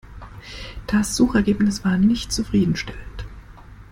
Das Suchergebnis war nicht zufriedenstellend.